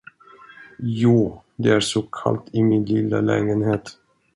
Jo, det är så kallt i min lilla lägenhet.